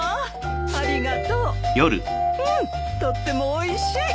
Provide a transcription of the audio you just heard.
うんとってもおいしい。